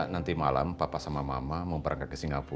nanti malam papa sama mama mau perangkat ke singapur